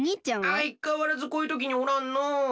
あいかわらずこういうときにおらんのう。